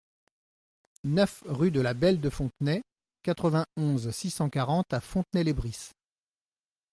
neuf rue de la Belle de Fontenay, quatre-vingt-onze, six cent quarante à Fontenay-lès-Briis